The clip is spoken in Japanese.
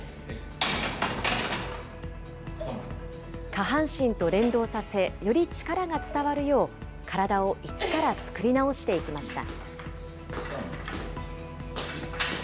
下半身と連動させ、より力が伝わるよう、体を一から作り直していきました。